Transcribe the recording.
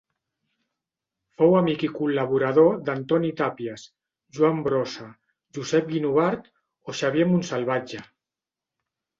Fou amic i col·laborador d'Antoni Tàpies, Joan Brossa, Josep Guinovart o Xavier Montsalvatge.